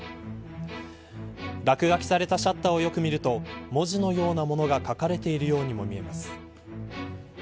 落書きされたシャッターをよく見ると文字のようなものが書かれているようにも見えます。